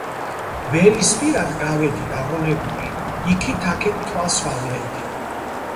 ველის პირად გავედი დაღონებულ იქით აქეთ თვალს ვავლებდი.